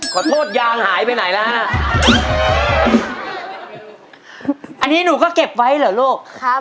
ขอโทษยางหายไปไหนแล้วฮะอันนี้หนูก็เก็บไว้เหรอลูกครับ